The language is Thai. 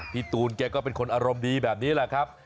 พี่ตูนแกก็เป็นคนอารมณ์ดีแบบนี้แหละครับ